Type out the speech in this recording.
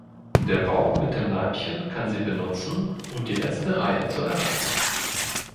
Der Bauer mit dem Leibchen kann sie benutzen, um die letzte Reihe zu erreichen.